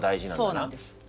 そうそうなんです。